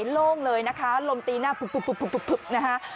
ไขม่โล่งเลยนะคะลมตีหน้าพึบพึบนะคะ